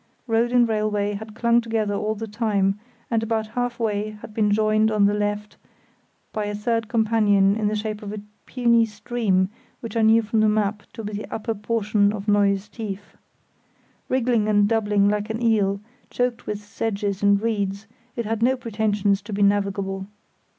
Road and railway had clung together all the time, and about half way had been joined on the left by a third companion in the shape of a puny stream which I knew from the map to be the upper portion of Neues Tief. Wriggling and doubling like an eel, choked with sedges and reeds, it had no pretensions to being navigable.